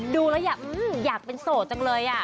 ดูแล้วอยากเป็นโสดจังเลย